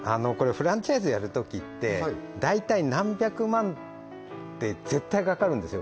フランチャイズやるときって大体何百万って絶対かかるんですよ